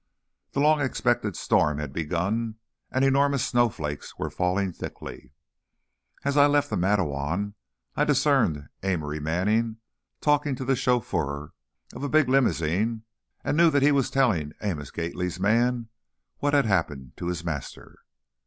The long expected storm had begun, and enormous snowflakes were falling thickly. As I left the Matteawan, I discerned Amory Manning talking to the chauffeur of a big limousine and knew that he was telling Amos Gately's man what had happened to his master.